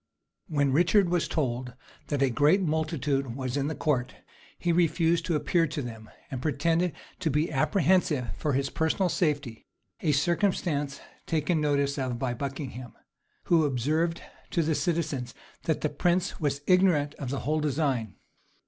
* Sir Thomas More, p. 496. When Richard was told that a great multitude was in the court, he refused to appear to them, and pretended to be apprehensive for his personal safety; a circumstance taken notice of by Buckingham, who observed to the citizens that the prince was ignorant of the whole design.